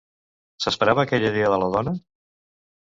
S'esperava aquella idea de la dona?